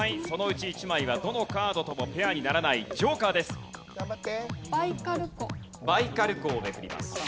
そのうち１枚はどのカードともペアにならないジョーカーです。